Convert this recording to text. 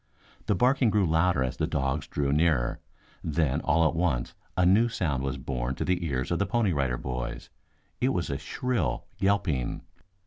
The barking grew louder as the dogs drew nearer, then all at once a new sound was borne to the ears of the Pony Rider Boys. It was a shrill yelping.